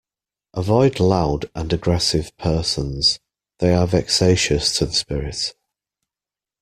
Avoid loud and aggressive persons; they are vexatious to the spirit.